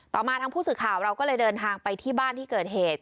มาทางผู้สื่อข่าวเราก็เลยเดินทางไปที่บ้านที่เกิดเหตุ